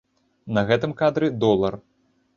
На гэтым кадры долар.